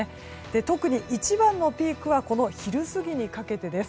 特に、一番のピークは昼過ぎにかけてです。